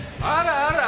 あら！